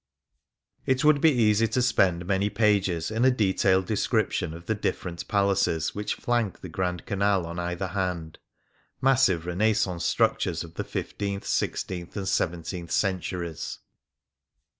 It would be easy to spend many pages in a detailed description of the different palaces which flank the Grand Canal on either hand — massive Renaissance structures of the fifteenth, sixteenth, and seventeenth centuries.